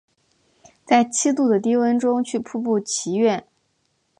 在七度的低温中去瀑布祈愿